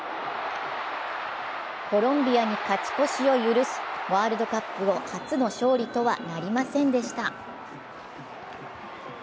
コロンビアに勝ち越しを許し、ワールドカップ後初の勝利とはなりませんでした。